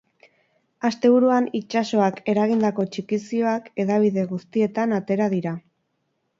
Asteburuan itsasoak eragindako txikizioak hedabide guztietan atera dira.